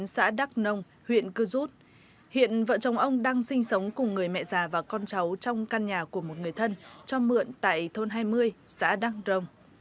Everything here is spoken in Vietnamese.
xã đắc nông huyện cư rút hiện vợ chồng ông đang sinh sống cùng người mẹ già và con cháu trong căn nhà của một người thân cho mượn tại thôn hai mươi xã đắk rồng